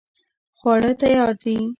خواړه تیار دي